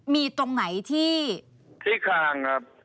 มีตรงไหนที่ที่ข้างครับ